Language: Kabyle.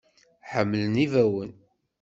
Ḥemmleɣ ibawen.